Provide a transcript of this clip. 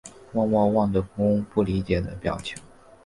默默望着公公不理解的表情